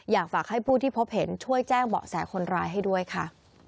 อยากฝากให้ผู้ที่พบเห็นช่วยแจ้งเบาะแสคนร้ายให้ด้วยค่ะ